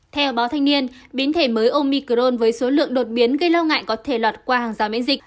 theo báo thanh niên biến thể mới omicrone với số lượng đột biến gây lo ngại có thể lọt qua hàng rào miễn dịch